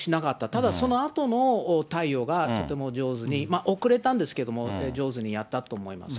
ただそのあとの対応がとても上手に、遅れたんですけども、上手にやったと思います。